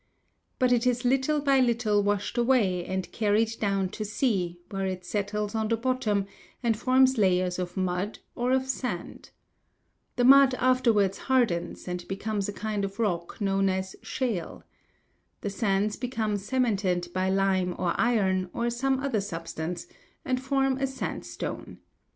But it is little by little washed away, and carried down to sea, where it settles on the bottom, and forms layers of mud or of sand. The mud afterwards hardens, and becomes a kind of rock known as shale. The sands become cemented by lime or iron, or some other substance, and form a sandstone.